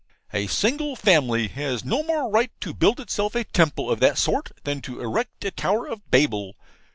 A single family has no more right to build itself a temple of that sort than to erect a Tower of Babel.